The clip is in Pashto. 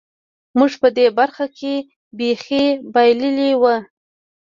موږ په دې برخه کې بېخي بایللې وه.